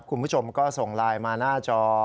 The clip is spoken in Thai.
คุณผู้ชมก็ส่งไลน์มาหน้าจอ